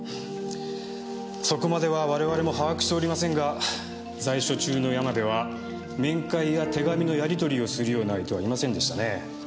そこまでは我々も把握しておりませんが在所中の山部は面会や手紙のやり取りをするような相手はいませんでしたね。